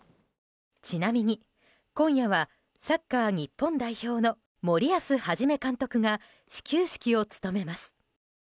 ちなみに今夜はサッカー日本代表の森保一監督が始球式を務めます。